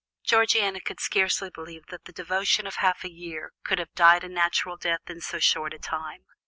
Georgiana could scarcely believe that the devotion of half a year could have died a natural death in so short a time.